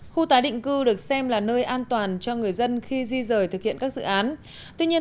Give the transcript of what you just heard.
khu tái định cư được xem là nơi an toàn cho người dân khi di rời thực hiện các dự án tuy nhiên